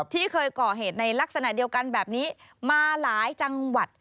ที่เคยก่อเหตุในลักษณะเดียวกันแบบนี้มาหลายจังหวัด